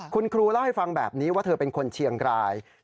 คุณครูเล่าให้ฟังแบบนี้ว่าเธอเป็นคนเชียงราย